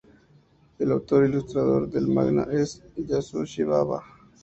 El autor e ilustrador del manga es Yasushi Baba.